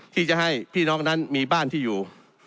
ที่จะให้พี่น้องนั้นมีบ้านที่อยู่